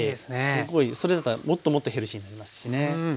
すごいそれだともっともっとヘルシーになりますしね。